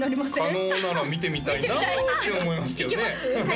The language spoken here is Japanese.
可能なら見てみたいなって思いますけどねいけます？